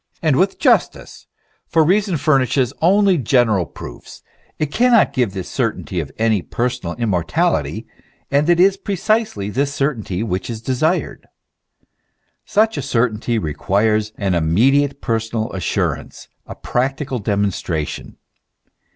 And with justice ; for reason furnishes only general proofs ; it cannot give the cer tainty of any personal immortality, and it is precisely this certainty which is desired. Such a certainty requires an im mediate personal assurance, a practical demonstration.